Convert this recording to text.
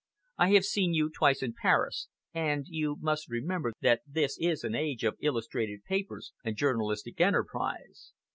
I have seen you twice in Paris, and you must remember that this is an age of illustrated papers and journalistic enterprise."